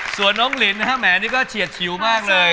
ส่วนน้องลินนะฮะแหมนี่ก็เฉียดชิวมากเลย